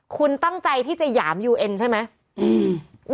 คุณตั้งใจที่จะหยามยูเอ็นใช่ไหม